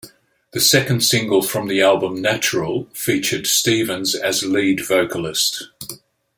The second single from the album, '"Natural", featured Stevens as lead vocalist.